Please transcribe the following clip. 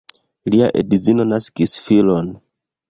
Lia edzino naskis filon.